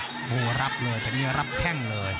โหรับเลยแต่เนี่ยรับแข้งเลย